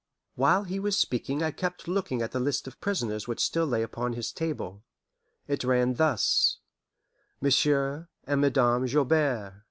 While he was speaking I kept looking at the list of prisoners which still lay upon his table. It ran thus: Monsieur and Madame Joubert.